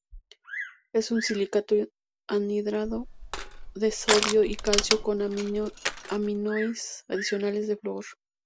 Es un silicato anhidro de sodio y calcio con aniones adicionales de flúor.